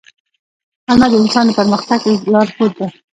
رڼا د انسان د پرمختګ لارښود ده.